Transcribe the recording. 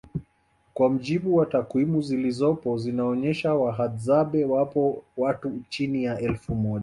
Kwa mujibu wa takwimu zilizopo zinaonesha wahadzabe wapo watu chini ya elfu moja